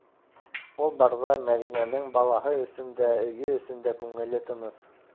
Ул барҙа Мәҙинәнең балаһы өсөн дә, өйө өсөн дә күңеле тыныс.